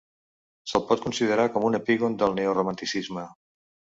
Se'l pot considerar com un epígon del neoromanticisme.